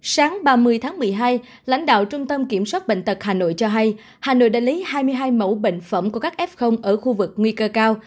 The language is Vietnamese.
sáng ba mươi tháng một mươi hai lãnh đạo trung tâm kiểm soát bệnh tật hà nội cho hay hà nội đã lấy hai mươi hai mẫu bệnh phẩm của các f ở khu vực nguy cơ cao